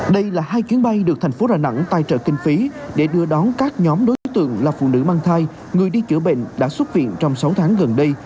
đây là hai chuyến bay được thành phố đà nẵng tài trợ kinh phí để đưa đón các nhóm đối tượng là phụ nữ mang thai người đi chữa bệnh đã xuất viện trong sáu tháng gần đây